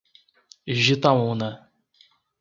Jitaúna